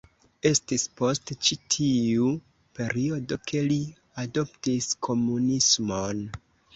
Estis post ĉi tiu periodo ke li adoptis komunismon.